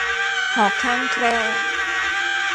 หอกข้างแคร่